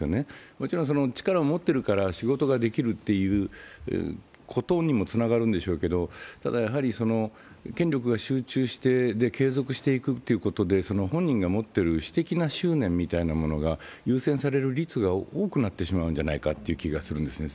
もちろん力を持っているから仕事ができるということにもつながるんでしょうけれどもただ、権力が集中して、継続していくということで本人が持っている私的な執念みたいなものが優先される率が多くなってしまうんじゃないかという気がするんですね。